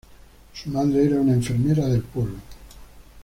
Su madre era una enfermera del pueblo.